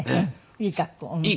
いい格好。